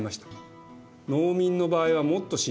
農民の場合はもっと深刻でね